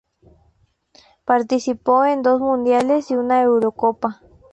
Participó en dos Mundiales y una Eurocopa.